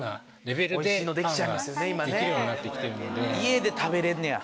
家で食べれんのや。